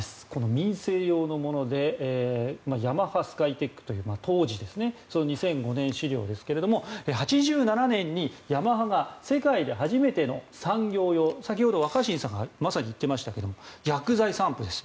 民生用のもので当時ヤマハスカイテックという２００５年の資料ですが８７年にヤマハが世界で初めての産業用先ほど若新さんがまさに言ってましたが薬剤散布です。